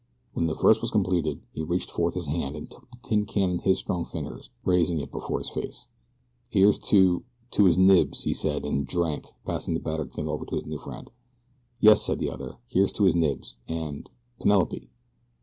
When the verse was completed he reached forth his hand and took the tin can in his strong fingers, raising it before his face. "Here's to to his Knibbs!" he said, and drank, passing the battered thing over to his new friend. "Yes," said the other; "here's to his Knibbs, and Penelope!"